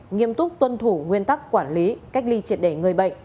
nghiêm túc tuân thủ nguyên tắc quản lý cách ly triệt để người bệnh